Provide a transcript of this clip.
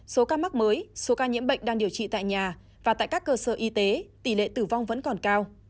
số ca mắc mới số ca nhiễm bệnh đang điều trị tại nhà và tại các cơ sở y tế tỷ lệ tử vong vẫn còn cao